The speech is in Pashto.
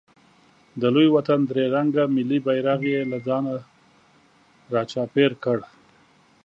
د لوی وطن درې رنګه ملي بیرغ یې له ځانه راچاپېر کړ.